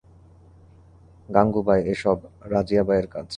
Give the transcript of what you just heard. গাঙুবাই, এসব রাজিয়াবাই এর কাজ।